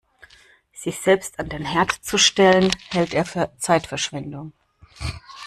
Sich selbst an den Herd zu stellen, hält er für Zeitverschwendung.